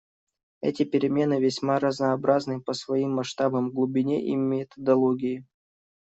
Эти перемены весьма разнообразны по своим масштабам, глубине и методологии.